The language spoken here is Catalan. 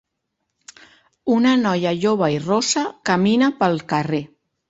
Una noia jove i rossa camina pel carrer.